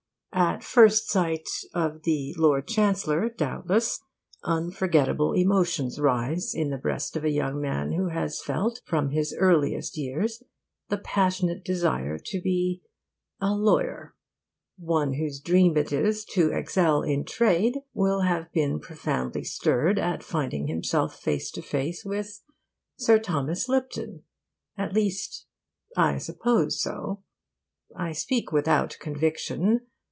At first sight of the Lord Chancellor, doubtless, unforgettable emotions rise in the breast of a young man who has felt from his earliest years the passionate desire to be a lawyer. One whose dream it is to excel in trade will have been profoundly stirred at finding himself face to face with Sir Thomas Lipton. At least, I suppose so. I speak without conviction.